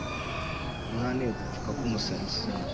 Uruhara ni ugupfuka k'umusatsi,